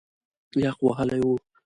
یخ وهلی و.